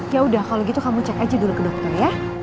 ya udah kalau gitu kamu cek aja dulu ke dokter ya